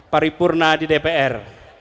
paripurna di dpr